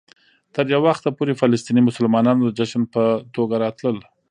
تر یو وخته پورې فلسطيني مسلمانانو د جشن په توګه راتلل.